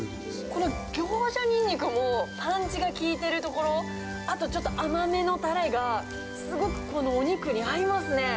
これ、行者ニンニクもパンチがきいてるところ、あと、ちょっと甘めのたれが、すごくこのお肉に合いますね。